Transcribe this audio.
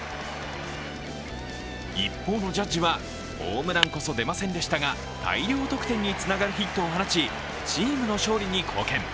一方のジャッジはホームランこそ出ませんでしたが大量得点につながるヒットを放ち、チームの勝利に貢献。